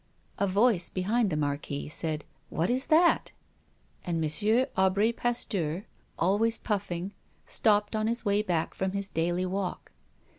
A voice behind the Marquis said: "What is that?" And M. Aubry Pasteur, always puffing, stopped on his way back from his daily walk.